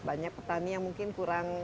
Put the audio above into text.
banyak petani yang mungkin kurang